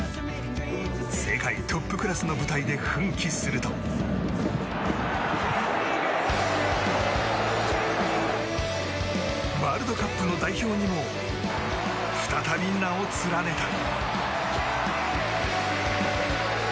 世界トップクラスの舞台で奮起するとワールドカップの代表にも再び名を連ねた。